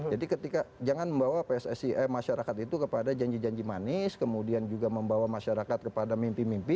jadi ketika jangan membawa pssc eh masyarakat itu kepada janji janji manis kemudian juga membawa masyarakat kepada mimpi mimpi